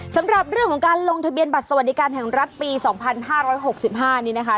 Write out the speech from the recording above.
สำหรับเรื่องของการลงทะเบียนบัตรสวัสดิการแห่งรัฐปี๒๕๖๕นี้นะคะ